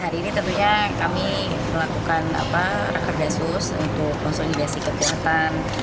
hari ini tentunya kami melakukan reker gasus untuk konsolidasi kekuatan